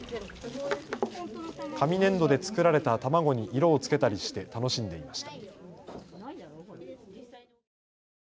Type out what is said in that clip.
紙粘土で作られた卵に色をつけたりして楽しんでいました。